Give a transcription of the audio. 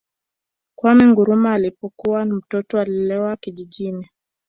Kwame Nkrumah alipokuwa Mtoto alilelewa kijijini